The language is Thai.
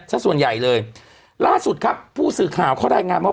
สักส่วนใหญ่เลยล่าสุดครับผู้สื่อข่าวเขารายงานว่า